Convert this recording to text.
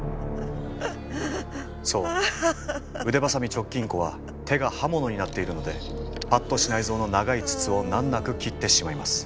そう腕鋏直近子は手が刃物になっているので八渡支内造の長い筒を難なく切ってしまいます。